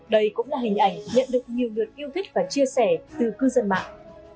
đây cũng là hình ảnh nhận được nhiều lượt yêu thích và chia sẻ từ cư dân mạng